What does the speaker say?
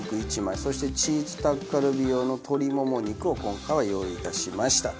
そしてチーズタッカルビ用の鶏モモ肉を今回は用意いたしましたと。